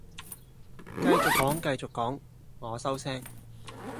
繼續講繼續講，我收聲